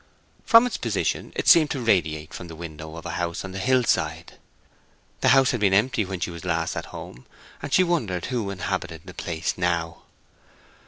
From its position it seemed to radiate from the window of a house on the hill side. The house had been empty when she was last at home, and she wondered who inhabited the place now.